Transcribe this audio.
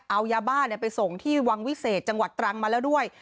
เอายาบ้าไปส่งที่วังวิเศษจังหวัดตรังมาแล้วด้วย